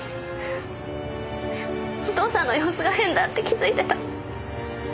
お父さんの様子が変だって気づいてた。